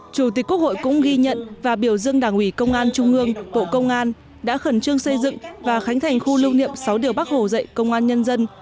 chủ tịch quốc hội cũng ghi nhận và biểu dương đảng ủy công an trung ương bộ công an đã khẩn trương xây dựng và khánh thành khu lưu niệm sáu điều bác hồ dạy công an nhân dân